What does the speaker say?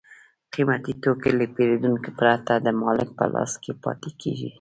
قیمتي توکي له پېرودونکو پرته د مالک په لاس کې پاتې کېږي